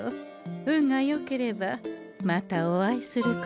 運がよければまたお会いすることでござんしょう。